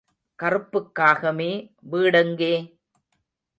கறுப்புக் காகமே, வீடெங்கே?